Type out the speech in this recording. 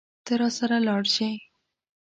ته راسره لاړ شې.